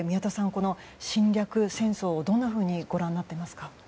この侵略戦争をどんなふうにご覧になっていますか？